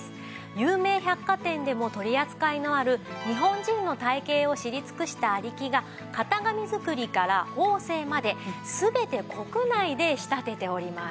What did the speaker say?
有名百貨店でも取り扱いのある日本人の体形を知り尽くした有木が型紙作りから縫製まで全て国内で仕立てております。